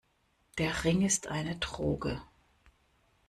Der Ring ist eine Droge.